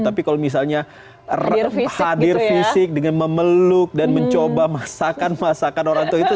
tapi kalau misalnya hadir fisik dengan memeluk dan mencoba masakan masakan orang tua itu